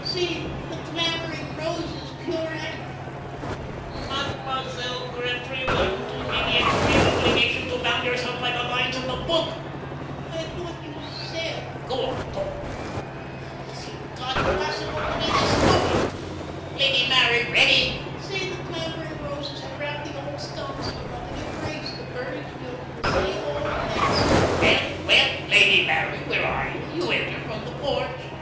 "'See! The clambering roses, pure and '" "Mademoiselle Gretry, will you do me the extreme obligation to bound yourself by the lines of the book?" "I thought you said " "Go on, go on, go on! Is it God possible to be thus stupid? Lady Mary, ready." "'See, the clambering roses have wrapped the old stones in a loving embrace. The birds build in the same old nests '" "Well, well, Lady Mary, where are you? You enter from the porch."